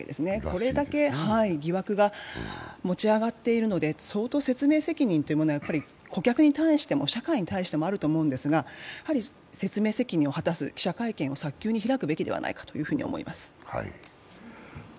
これだけ疑惑が持ち上がっているので、説明責任というのは顧客に対しても社会に対してもあると思うんですが、やはり説明責任を果たす記者会見を早急に開くべきではないかと思います。